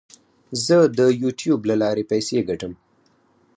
زه د یوټیوب له لارې پیسې ګټم.